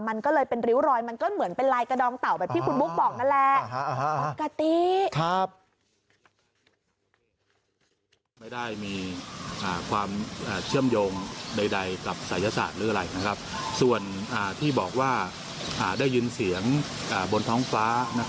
มันก็เลยเป็นริ้วรอยมันก็เหมือนเป็นลายกระดองเต่าแบบที่คุณบุ๊กบอกนั่นแหละปกติ